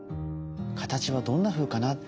形はどんなふうかな？